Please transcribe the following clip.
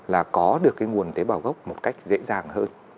là có được cái nguồn tế bảo gốc một cách dễ dàng hơn